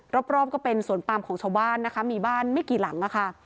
รอบก็เป็นสวนปามของชาวบ้านนะคะมีบ้านไม่กี่หลังค่ะ